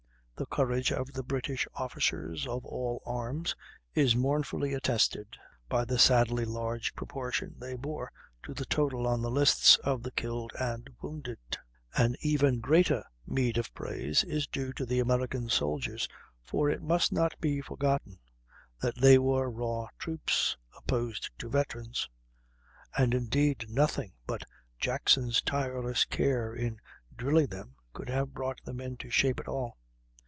The courage of the British officers of all arms is mournfully attested by the sadly large proportion they bore to the total on the lists of the killed and wounded. An even greater meed of praise is due to the American soldiers, for it must not be forgotten that they were raw troops opposed to veterans; and indeed, nothing but Jackson's tireless care in drilling them could have brought them into shape at all.